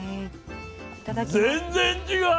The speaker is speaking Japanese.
全然違う。